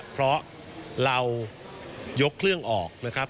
เพราะเรายกเครื่องออกนะครับ